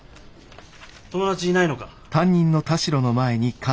友達いないのか？